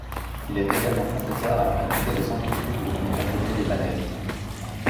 Il est également professeur à la Faculté de Santé Publique de l’Université libanaise.